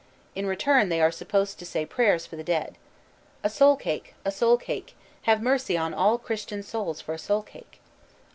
In return they are supposed to say prayers for the dead. "A Soule cake, a Soule cake; have mercy on all Christen souls for a Soule cake."